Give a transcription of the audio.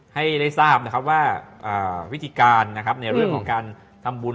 ให้ได้ทราบว่าวิธีการในเรื่องของการทำบุญ